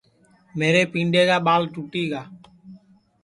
میرے پینڈؔے کا ٻاݪ ٹُوٹی گا